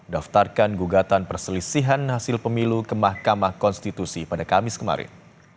daftarkan gugatan perselisihan hasil pemilu ke mahkamah konstitusi pada kamis kemarin